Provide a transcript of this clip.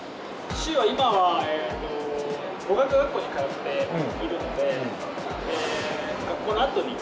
週は今は語学学校に通っているので学校のあとに。